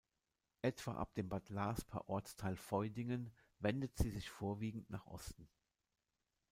Etwa ab dem Bad Laaspher Ortsteil Feudingen wendet sie sich vorwiegend nach Osten.